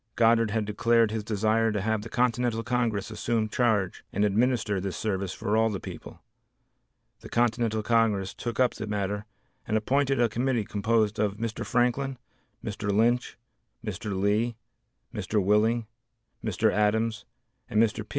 Goddard had declared his desire to have the Continental Congress assume charge and administer this service for all the people. The Continental Congress took up the matter and appointed a committee composed of Mr. Franklin, Mr. Lynch, Mr. Lee, Mr. Willing, Mr. Adams, and Mr. P.